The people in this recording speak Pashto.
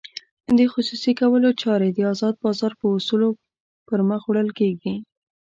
د خصوصي کولو چارې د ازاد بازار په اصولو پرمخ وړل کېږي.